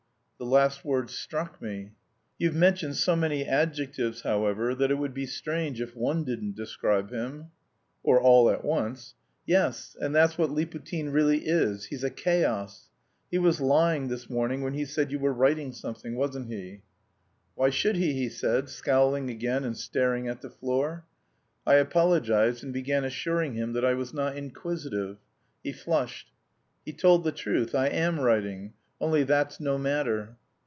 The last word struck me. "You've mentioned so many adjectives, however, that it would be strange if one didn't describe him." "Or all at once." "Yes, and that's what Liputin really is he's a chaos. He was lying this morning when he said you were writing something, wasn't he? "Why should he?" he said, scowling again and staring at the floor. I apologised, and began assuring him that I was not inquisitive. He flushed. "He told the truth; I am writing. Only that's no matter."